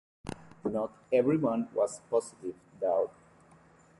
Not everyone was positive though.